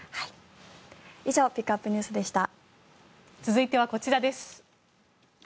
以上ピックアップＮＥＷＳでした。